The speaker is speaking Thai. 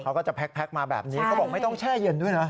เขาก็จะแพ็คมาแบบนี้เขาบอกไม่ต้องแช่เย็นด้วยนะ